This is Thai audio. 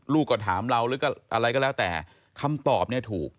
ลูกก็ถามเราหรือก็อะไรก็แล้วแต่คำตอบเนี่ยถูก